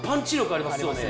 ありますね。